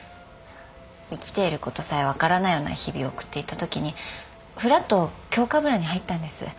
生きていることさえ分からないような日々を送っていたときにふらっと京かぶらに入ったんです。